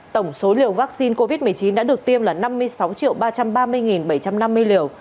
tổng số liều vaccine covid một mươi chín đã được tiêm là năm mươi sáu ba trăm ba mươi bảy trăm năm mươi liều